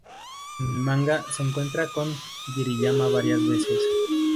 En el manga, se encuentra con Kiriyama varias veces.